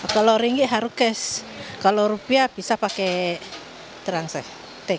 kalau ringgih harus cash kalau rupiah bisa pakai terangsek